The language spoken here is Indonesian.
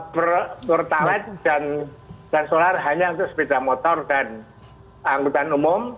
pertalet dan solar hanya untuk sepeda motor dan anggota umum